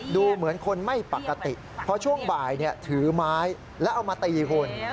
ดูเหมือนคนไม่ปกติเพราะช่วงบ่ายถือไม้แล้วเอามาตีคุณ